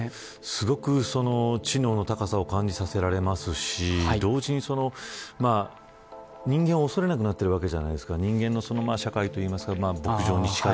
すごく知能の高さを感じさせられますし同時に人間を恐れなくなってるわけじゃないですか人間の社会といいますか。